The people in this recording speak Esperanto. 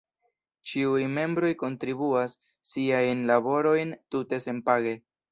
Ĉiuj membroj kontribuas siajn laborojn tute senpage.